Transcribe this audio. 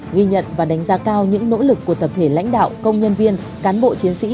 ghi nhận và đánh giá cao những nỗ lực của tập thể lãnh đạo công nhân viên cán bộ chiến sĩ